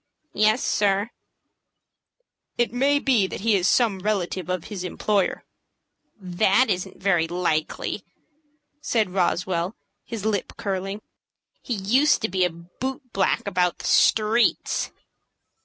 "Yes, sir." "It may be that he is some relative of his employer." "That isn't very likely," said Roswell, his lip curling. "He used to be a boot black about the streets."